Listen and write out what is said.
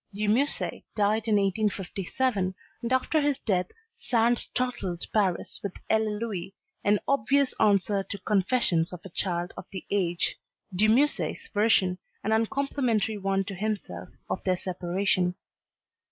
De Musset died in 1857 and after his death Sand startled Paris with "Elle et Lui," an obvious answer to "Confessions of a Child of the Age," De Musset's version an uncomplimentary one to himself of their separation.